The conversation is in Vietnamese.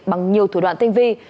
bằng nhiều thủ đoạn tinh vi